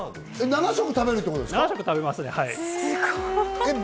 ７食、食べるってことですか？